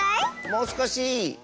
もうすこし？